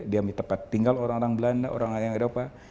dia tepat tinggal orang orang belanda orang orang eropa